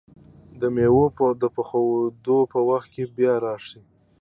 د مېوو د پخېدو په وخت کې بیا راشئ!